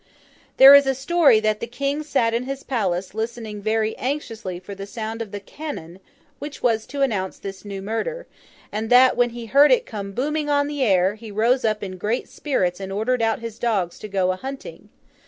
There is a story that the King sat in his palace listening very anxiously for the sound of the cannon which was to announce this new murder; and that, when he heard it come booming on the air, he rose up in great spirits and ordered out his dogs to go a hunting.